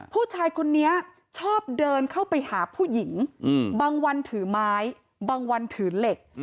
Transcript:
ผู้ชายคนนี้ชอบเดินเข้าไปหาผู้หญิงบางวันถือไม้บางวันถือเหล็ก